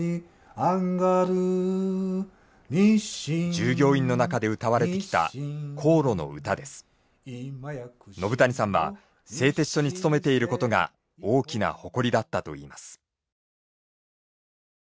従業員の中で歌われてきた延谷さんは製鉄所に勤めていることが大きな誇りだったといいます。